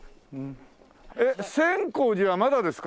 えっ千光寺はまだですか？